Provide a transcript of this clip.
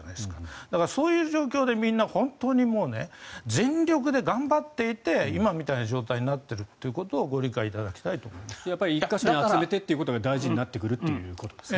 みんなそういう状況で全力で頑張っていて今みたいな状態になっているということを１か所に集めてということが大事になるということですね。